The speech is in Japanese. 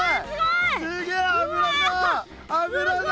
すげえ油だ！